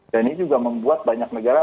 dan ini juga membuat banyak negara